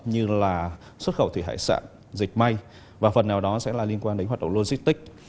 như là xuất khẩu thủy hải sản dịch may và phần nào đó sẽ là liên quan đến hoạt động logistics